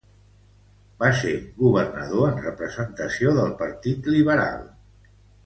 Va ser governador en representació del Partit Liberal.